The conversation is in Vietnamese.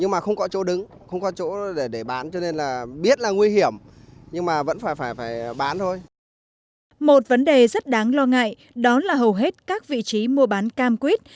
một vấn đề rất đáng lo ngại đó là hầu hết các vị trí mua bán cam quýt